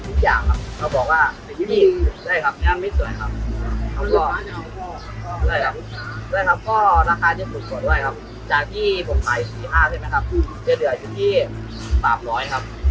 ครับจากที่ผมขายสี่ห้าใช่ไหมครับเดี๋ยวเดี๋ยวอยู่ที่สามร้อยครับ